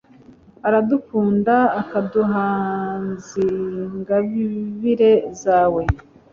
uradukunda ukaduhaz'ingabire zawe